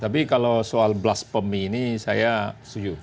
tapi kalau soal blasfemi ini saya setuju